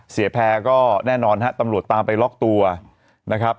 เสียแพ้ก็แน่นอนนะครับตำรวจตามไปล็อกตัวนะครับ